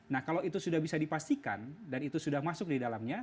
nah kalau itu sudah bisa dipastikan dan itu sudah masuk di dalamnya